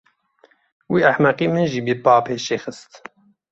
Vî ehmeqî min jî bi bapêşê xist.